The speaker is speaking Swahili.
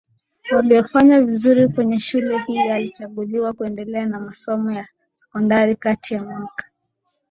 waliofanya vizuri kwenye shule hii alichaguliwa kuendelea na masomo ya sekondariKati ya mwaka